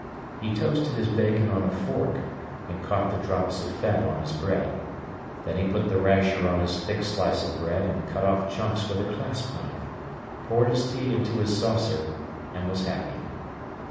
He toasted his bacon on a fork and caught the drops of fat on his bread; then he put the rasher on his thick slice of bread, and cut off chunks with a clasp knife, poured his tea into his saucer, and was happy.